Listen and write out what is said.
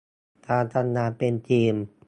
การทำงานเป็นทีม